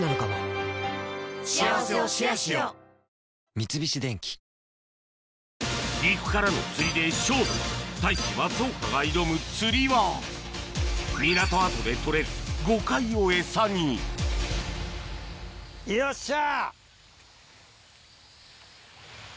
三菱電機陸からの釣りで勝負太一松岡が挑む釣りは港跡で取れるゴカイをエサによっしゃ！